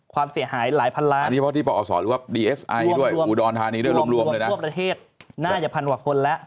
ความเสียหายหลายพันล้านรวมรวมทั่วประเทศน่าจะพันกว่าคนแล้ว